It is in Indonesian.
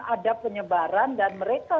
ada penyebaran dan mereka